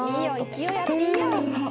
勢いあっていいよ。